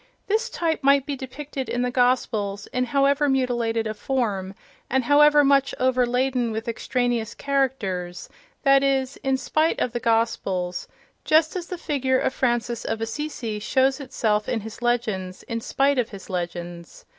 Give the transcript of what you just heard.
This type might be depicted in the Gospels, in however mutilated a form and however much overladen with extraneous characters—that is, in spite of the Gospels; just as the figure of Francis of Assisi shows itself in his legends in spite of his legends.